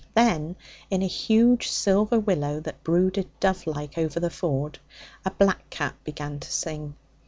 Then, in a huge silver willow that brooded, dove like, over the ford, a blackcap began to sing.